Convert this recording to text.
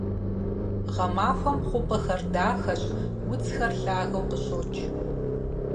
Гъэмахуэм хъупӀэхэр дахэщ, удзхэр лъагэу къыщокӀ.